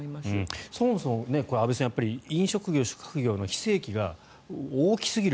そもそも安部さん飲食業、宿泊業の非正規が大きすぎる。